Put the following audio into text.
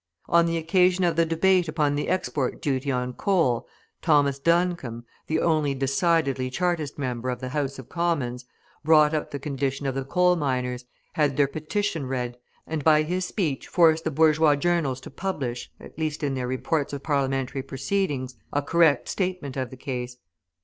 On the occasion of the debate upon the export duty on coal, Thomas Duncombe, the only decidedly Chartist member of the House of Commons, brought up the condition of the coal miners, had their petition read, and by his speech forced the bourgeois journals to publish, at least in their reports of Parliamentary proceedings, a correct statement of the case.